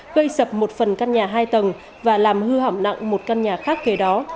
gây sập một phần căn nhà hai tầng và làm hư hỏng nặng một căn nhà khác kế đó